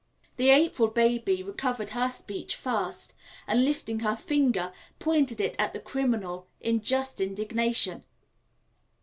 The April baby recovered her speech first, and lifting her finger, pointed it at the criminal in just indignation.